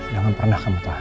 jangan pernah kamu tahan